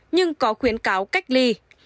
nhưng có khuyến cáo cách ly